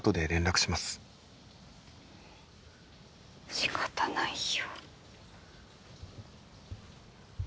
しかたないよ。